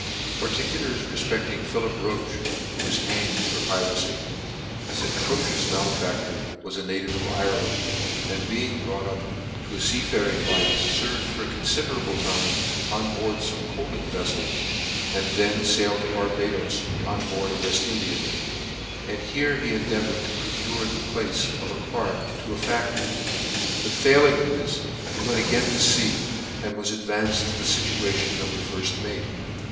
'* Particulars refpecting PHILIP ROCHE, who was hanged for Piracy. THIS atrocious malefactor was a native of Ireland, and being brought up to a fea faring life, ferved for aconfiderable time on board jTome coafting veffels, and then failed to Barba does on board a We.ft Indiaman ; and here he en deavoured to procure the place of clerk to a fac tor; but failing in this, he went again to lea, and was advanced to the ftation of a firft mate.